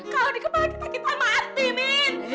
kalau di kepala kita kita mati min